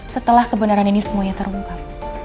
setelah kebenaran ini semuanya terungkap